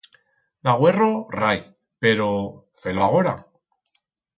D'agüerro rai, pero... fe-lo agora!